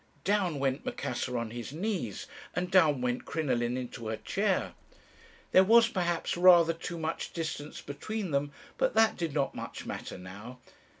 "Down went Macassar on his knees, and down went Crinoline into her chair. There was perhaps rather too much distance between them, but that did not much matter now.